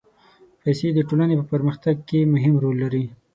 پېسې د ټولنې په پرمختګ کې مهم رول لري.